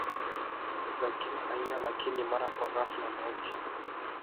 za kila aina lakini mara kwa ghafla mauti